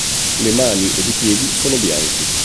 Le mani ed i piedi sono bianchi.